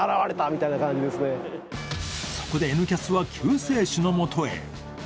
そこで「Ｎキャス」は救世主のもとへ。